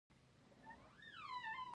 د افسوس او ارمان پر وخت کارول کیږي.